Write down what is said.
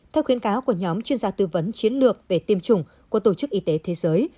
theo khuyến cáo của nhóm chuyên gia tư vấn chiến lược về tiêm chủng của tổ chức y tế thế giới